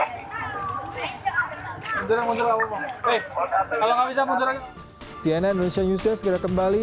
cnn indonesia newsday segera kembali